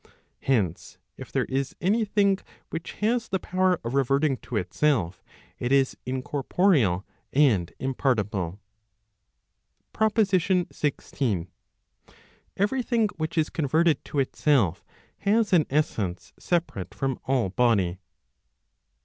Hence if there is any thing which has the power of reverting to itself it is incorporeal and impartible. PROPOSITION XVI. Every thing which is converted to itself, has an essence separate from all body.